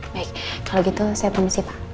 baik kalau gitu saya permisi pak